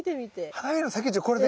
花びらの先っちょこれで。